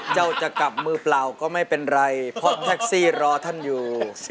จะกลับมือเปล่าก็ไม่เป็นไรเพราะแท็กซี่รอท่านอยู่